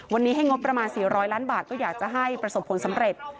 วันนี้ให้งบประมาณ๔๐๐ล้านบาทก็อยากจะให้ประสบผลสำเร็จ